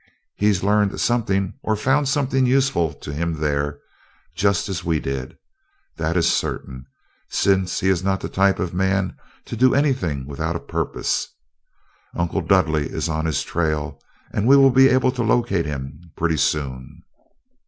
He's learned something, or found something useful to him there, just as we did. That is certain, since he is not the type of man to do anything without a purpose. Uncle Dudley is on his trail and will be able to locate him pretty soon."